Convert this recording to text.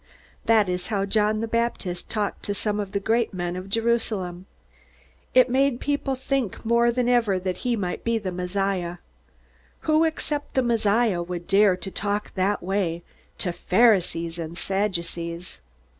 That is how John the Baptist talked to some of the great men of Jerusalem. It made people think more than ever that he might be the Messiah. Who except the Messiah would dare to talk that way to Pharisees and Sadducees?